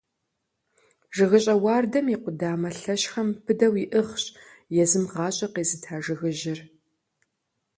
ЖыгыщӀэ уардэм и къудамэ лъэщхэмкӀэ быдэу иӀыгъщ езым гъащӀэ къезыта жыгыжьыр.